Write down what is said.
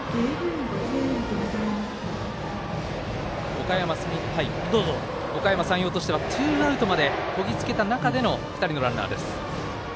おかやま山陽としてはツーアウトまでこぎつけた中での２人のランナーです。